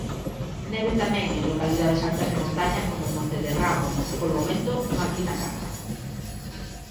Neve tamén en localidades altas de montaña coma Montederramo, polo momento, unha fina capa.